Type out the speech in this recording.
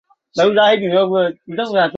中央轨道不营运。